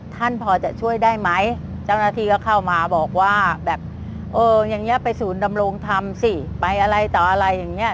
ท่านพอจะช่วยได้ไหมเจ้าหน้าที่เข้ามาบอกว่าไปศูนย์ดำรงธรรมสิไปอะไรต่ออะไรอย่างนี้